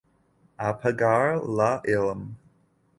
Apagar la llum.